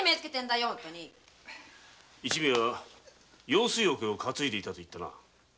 一味は用水桶を担いでいたそうだな。